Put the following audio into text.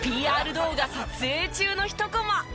動画撮影中のひとコマ。